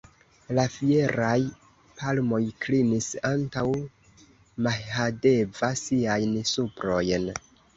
La fieraj palmoj klinis antaŭ Mahadeva siajn suprojn.